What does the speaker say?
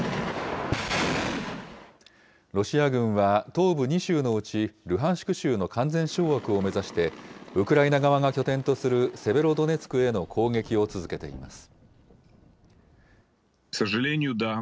ロシア軍は東部２州のうち、ルハンシク州の完全掌握を目指してウクライナ側が拠点とするセベロドネツクへの攻撃を続けています。